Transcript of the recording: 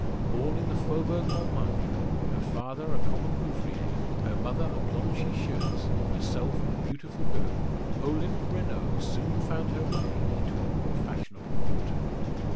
Born in the Faubourg Montmartre, her father a common ouvrier, her mother a blanchisseuse herself a beautiful girl Olympe Renault soon found her way into a more fashionable quarter.